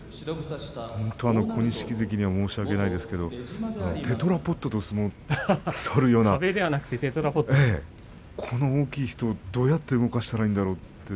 本当に小錦関には申し訳ないですがテトラポットと相撲を取るようなこういう大きい人をどうやって動かしたらいいんだろう